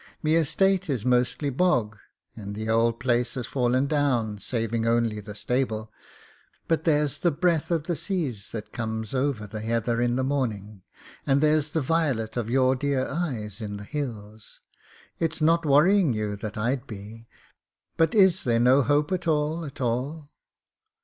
Me estate is mostly bog, and the ould place has fallen down, sav ing only the stable — ^but there's the breath of the seas that comes over the heather in the morning, and there's the violet of your dear eyes in the hills. It's not wor rying you that I'd be — but is there no hope at all, at all?"